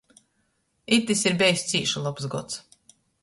Itys ir bejs cīši lobs gods.